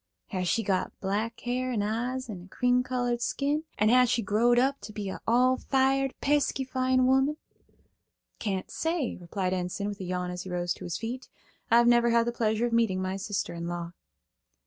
Has she got black hair and eyes and a cream colored skin, and has she growed up to be a all fired pesky fine woman?" "Can't say," replied Enson, with a yawn as he rose to his feet. "I've never had the pleasure of meeting my sister in law."